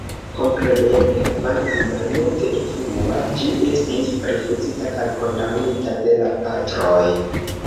Kompreneble, kvankam malmulte influa, ĝi estis rifuzita kaj kondamnita de la Patroj.